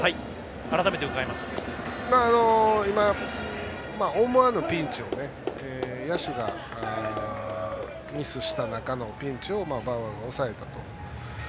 今、思わぬピンチを野手がミスした中のピンチをバウアーが抑えたと。